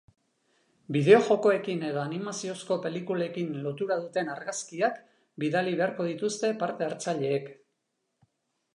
Bideo-jokoekin edo animaziozko pelikulekin lotura duten argazkiak bidali beharko dituzte parte-hartzaileek.